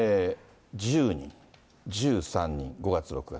１０人、１３人、５月、６月。